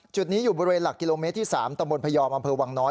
จุดนี้อยู่บริเวณหลักกิโลเมตรที่๓ตำบลพยอมอำเภอวังน้อย